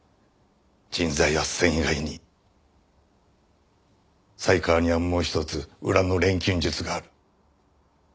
人材斡旋以外に犀川にはもう一つ裏の錬金術がある。